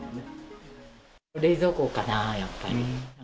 冷蔵庫かな、やっぱり。